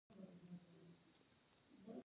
فرض کړئ یو پانګوال پنځه سوه میلیونه پانګه لري